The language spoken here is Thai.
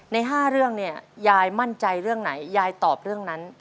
ใน๕เรื่องเนี่ยยายมั่นใจเรื่องไหนยายตอบเรื่องนั้น